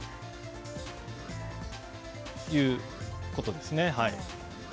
そういうことですね。